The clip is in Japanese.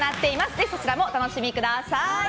ぜひ、そちらもお楽しみください。